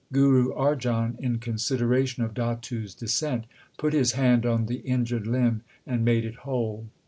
Guru Arjan, in consideration of Datu s descent, put his hand on the injured limb and made it whole.